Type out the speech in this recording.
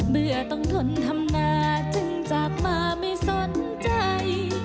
เมื่อต้องทนทำนาจึงจากมาไม่สนใจ